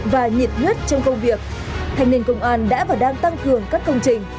và nhiệt huyết trong công việc thanh niên công an đã và đang tăng cường các công trình